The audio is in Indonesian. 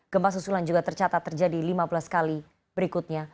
gempa susulan juga tercatat terjadi lima belas kali berikutnya